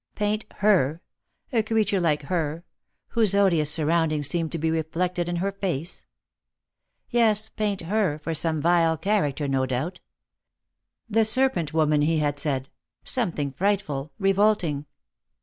Paint her — a creature like her — whose odious suroundings seemed to he reflected in her face ? Yes, paint her, for some vile character, no doubt. The serpent woman, he had said — something frightful, revolting.